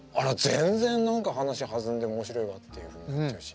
全然何か話弾んで面白いわっていうふうになっちゃうし。